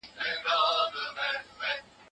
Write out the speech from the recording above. د خوړو مسمومیت په اړه په پوهنتونونو کې څېړنې وکړئ.